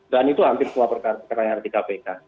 dan itu hampir semua pertanyaan dari kpk